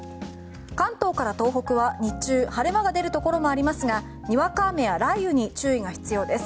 関東から東北は日中、晴れ間が出るところもありますがにわか雨や雷雨に注意が必要です。